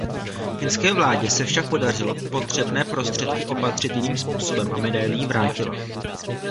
Finské vládě se však podařilo potřebné prostředky opatřit jiným způsobem a medaili jí vrátila.